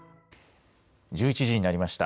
１１時になりました。